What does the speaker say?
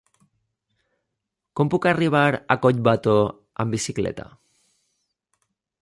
Com puc arribar a Collbató amb bicicleta?